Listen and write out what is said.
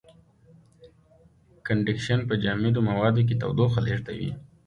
کنډکشن په جامدو موادو کې تودوخه لېږدوي.